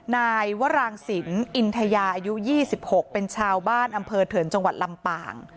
นายวรางศิลป์อินทยาอายุ๒๖เป็นชาวบ้านอำเภอเถินจังหวัดลำปาง